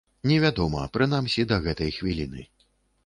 Невядома, прынамсі, да гэтай хвіліны.